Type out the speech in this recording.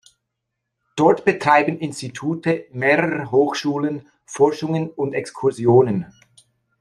Dort betreiben Institute mehrerer Hochschulen Forschungen und Exkursionen.